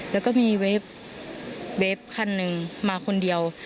แล้วก็มีเว็บคันหนึ่งมาคนเดียว